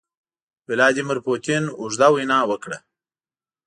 ولادیمیر پوتین اوږده وینا وکړه.